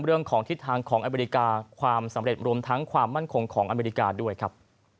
เรื่องของทิศทางของอเมริกาความสำเร็จรวมทั้งความมั่นคงของอเมริกาด้วยครับ